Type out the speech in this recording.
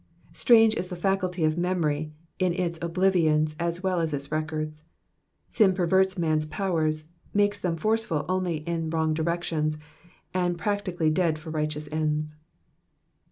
Strange is the faculty of memory in its oblivions as well as its records. Sin perverts man^s powers, makes them forceful only in wrong directions, and practically dead for righteous ends.